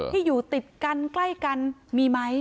ที่อยู่ติดกันใกล้กันมีไหม